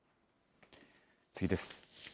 次です。